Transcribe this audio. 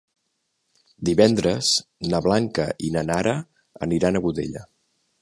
Divendres na Blanca i na Nara aniran a Godella.